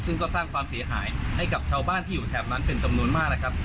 ซึ่งก็สร้างความเสียหายให้กับชาวบ้านที่อยู่แถบนั้นเป็นจำนวนมากนะครับ